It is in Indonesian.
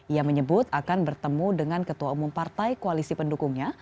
ia menyebut akan bertemu dengan ketua umum partai koalisi pendukungnya